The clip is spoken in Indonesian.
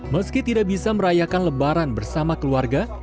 meski tidak bisa merayakan lebaran bersama keluarga